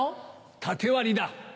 縦割りだ。